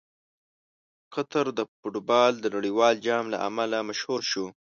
قطر د فټبال د نړیوال جام له امله مشهور شو.